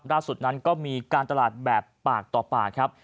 ล่าสุดนั้นก็มีการตลาดแบบปากต่อปากครับ